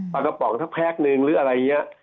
ปลากระป๋องสักแพ็คนึงหรืออะไรอย่างนี้